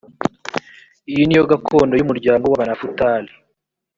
iyo ni yo gakondo y umuryango w ‘abanafutali.